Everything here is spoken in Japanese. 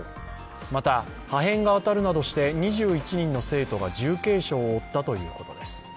また破片が当たるなどして２１人の生徒が重軽傷を負ったということです。